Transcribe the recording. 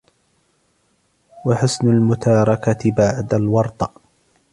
وَحُسْنِ الْمُتَارَكَةِ بَعْدَ الْوَرْطَةِ